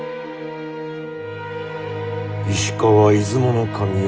石川出雲守吉